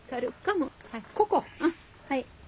はい。